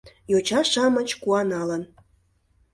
Йоча-шамыч, куаналын